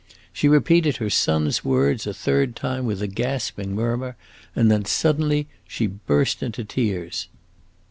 She repeated her son's words a third time with a gasping murmur, and then, suddenly, she burst into tears.